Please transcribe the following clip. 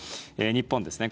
日本ですね